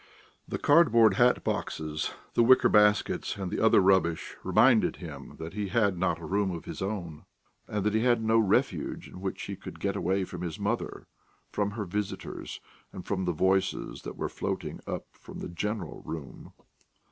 The cardboard hat boxes, the wicker baskets, and the other rubbish, reminded him that he had not a room of his own, that he had no refuge in which he could get away from his mother, from her visitors, and from the voices that were floating up from the "general room."